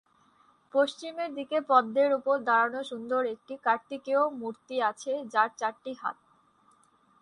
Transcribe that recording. পশ্চিমের দিকে পদ্মের উপর দাঁড়ানো সুন্দর একটি কার্তিকেয় মূর্তি আছে যার চারটি হাত।